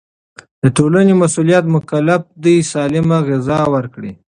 د ټولنې مسؤلين مکلف دي سالمه غذا ورکړي.